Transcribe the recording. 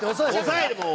抑えるもう！